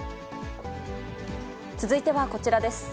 続いてはこちらです。